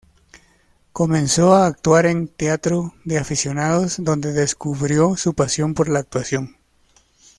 Comenzó a actuar en teatro de aficionados, donde descubrió su pasión por la actuación.